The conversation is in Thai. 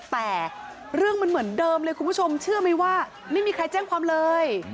แต่เรื่องมันเหมือนเดิมเลยคุณผู้ชมเชื่อไหมว่าไม่มีใครแจ้งความเลย